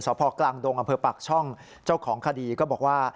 พ่อกลางดงอำเภอปากช่องเจ้าของคดีก็บอกว่า